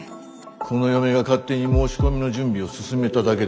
この嫁が勝手に申し込みの準備を進めただけです。